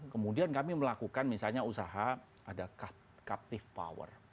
kemudian kami melakukan misalnya usaha ada captive power